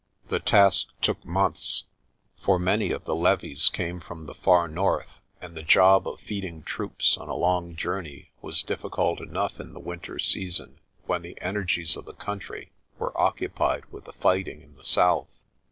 The task took months, for many of the levies came from the far north, and the job of feeding troops on a long journey was difficult enough in the winter season when the energies of the country were occupied with the fighting in the south.